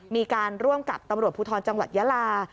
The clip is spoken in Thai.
มีการร่วมกับตำรวจภูทรจังหวัดยาลา